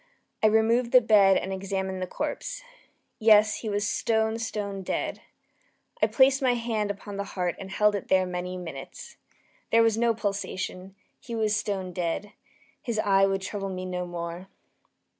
I removed the bed and examined the corpse. Yes, he was stone, stone dead. I placed my hand upon the heart and held it there many minutes. There was no pulsation. He was stone dead. His eve would trouble me no more.